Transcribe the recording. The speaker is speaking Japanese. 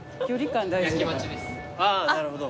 ああなるほど。